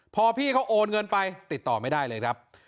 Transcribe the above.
พอพี่เขาโอนเงินไปติดต่อไม่ได้เลยครับ